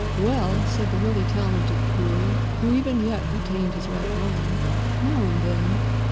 "Well," said the really talented Cooly, who even yet retained his right mind, "now and then."